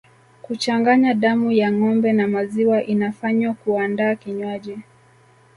Kuchanganya damu ya ngombe na maziwa inafanywa kuandaa kinywaji